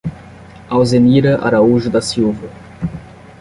Alzenira Araújo da Silva